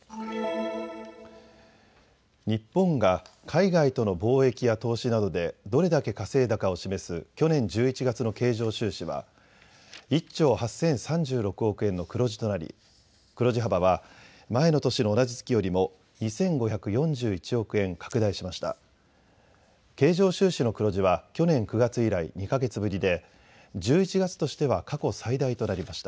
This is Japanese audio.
日本が海外との貿易や投資などでどれだけ稼いだかを示す去年１１月の経常収支は１兆８０３６億円の黒字となり黒字幅は前の年の同じ月よりも２５４１億円拡大しました。